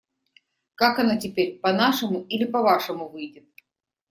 Как оно теперь: по-нашему или по-вашему выйдет?